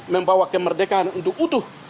membawa kemerdekaan untuk utuh